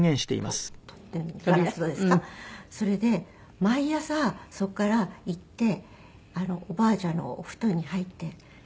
それで毎朝そこから行っておばあちゃんのお布団に入って。